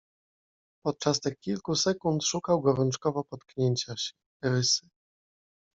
Podczas tych kilku sekund szukał gorączkowo potknięcia się, rysy.